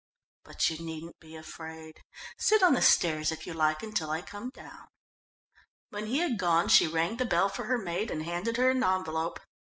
But you needn't be afraid. Sit on the stairs if you like until I come down." When he had gone she rang the bell for her maid and handed her an envelope.